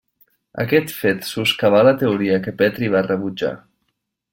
Aquest fet soscavar la teoria que Petri va rebutjar.